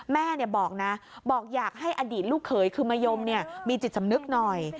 แม่บอกนะบอกอยากให้อดีตลูกเขยคือมะยมมีจิตสำนึกหน่อย